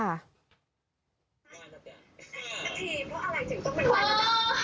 อืม